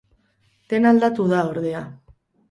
Dena aldatu da, ordea.